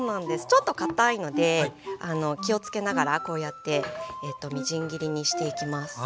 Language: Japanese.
ちょっとかたいので気をつけながらこうやってみじん切りにしていきます。